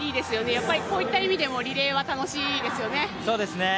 やっぱり、こういった意味でもリレーは楽しいですよね。